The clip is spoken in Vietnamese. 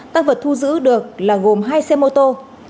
tăng vật thu giữ được là gồm hai xe mô tô